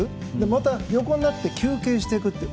また横になって休憩していくと。